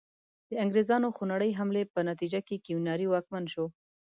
د انګریزانو خونړۍ حملې په نتیجه کې کیوناري واکمن شو.